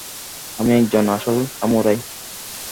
আমি একজন আসল সামুরাই।